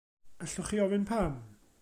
Allwch chi ofyn pam?